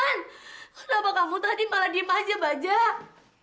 kenapa kamu tadi malah diem aja bajak